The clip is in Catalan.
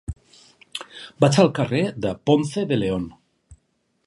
Vaig al carrer de Ponce de León.